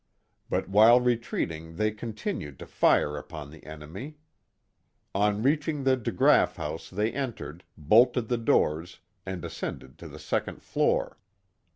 But while retreating they continued to fire upon the enemy. On reaching the DeGraaf house they entered, bolted the doors and as cended to the second floor.